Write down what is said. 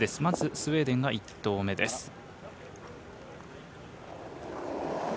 まず、スウェーデンが１投目です。